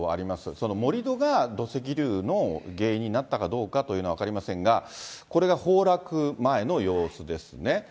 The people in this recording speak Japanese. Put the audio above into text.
その盛り土が土石流の原因になったかどうかというのは分かりませんが、これが崩落前の様子ですね。